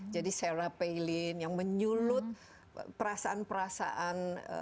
jadi sarah palin yang menyulut perasaan perasaan